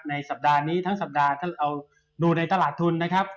สัปดาห์นี้ทั้งสัปดาห์ถ้าเราดูในตลาดทุนนะครับ